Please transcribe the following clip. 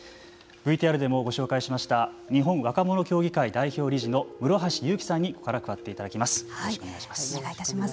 ＶＴＲでもご紹介しました日本若者協議会代表理事の室橋祐貴さんに、ここから加わっていただきます。